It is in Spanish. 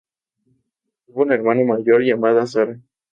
Tuvo una hermana mayor llamada Sara.